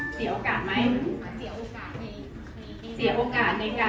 อ๋อแต่มีอีกอย่างนึงค่ะ